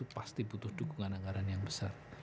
pasti butuh dukungan anggaran yang besar